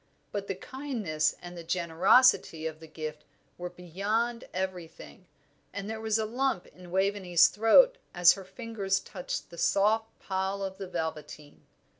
But the kindness and the generosity of the gift were beyond everything, and there was a lump in Waveney's throat as her fingers touched the soft pile of the velveteen.